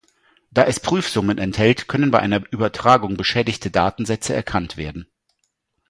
Da es Prüfsummen enthält, können bei einer Übertragung beschädigte Datensätze erkannt werden.